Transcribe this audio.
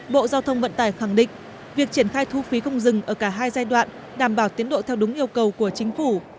bộ giao thông vận tải khẳng định việc triển khai thu phí không dừng ở cả hai giai đoạn đảm bảo tiến độ theo đúng yêu cầu của chính phủ